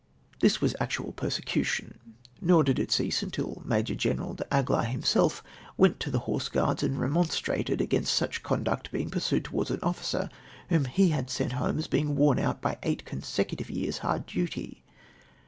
This Avas actual persecution, nor did it cease till I\Lajor General D'Aguilar himself went to the Horse Guards and romon ' strated against such conduct being pursued towards an officer whom he had sent home as being worn out by eight consecutive years' hard duty.